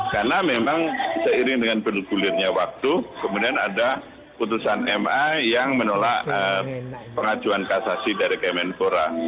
karena memang seiring dengan bulirnya waktu kemudian ada putusan ma yang menolak pengajuan kasasi dari kemenpora